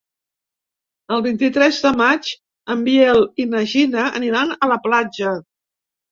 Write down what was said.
El vint-i-tres de maig en Biel i na Gina aniran a la platja.